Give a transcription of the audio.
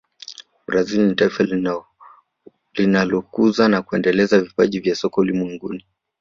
brazil ni taifa linalokuza na kuendeleza vipaji vya soka ulimwenguni